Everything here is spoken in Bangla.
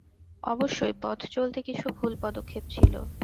অবশ্যই, পথ চলতে কিছু ভুল পদক্ষেপ ছিল।